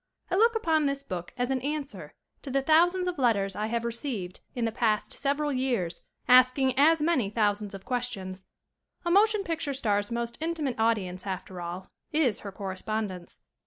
I look upon this book as an answer to the thousands of letters I have received in the past several years asking as many thousands of questions. A motion picture star's most inti mate audience, after all, is her correspondence.